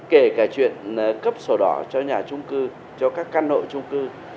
kể cả chuyện cấp sổ đỏ cho nhà trung cư cho các căn hộ trung cư